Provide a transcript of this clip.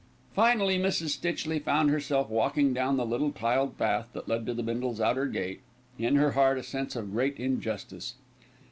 Finally, Mrs. Stitchley found herself walking down the little tiled path that led to the Bindles' outer gate, in her heart a sense of great injustice.